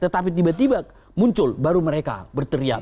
tetapi tiba tiba muncul baru mereka berteriak